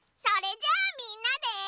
それじゃあみんなで。